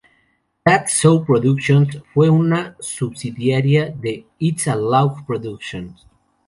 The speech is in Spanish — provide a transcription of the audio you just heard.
That's So Productions fue una subsidiaria de "It's a Laugh Productions".